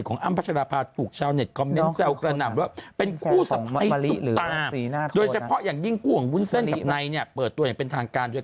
คุณแม่งบัวเรื่องของเราก็แบบนามสกุล๒คนเนี่ย